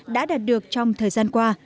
đã đạt được trong thời gian qua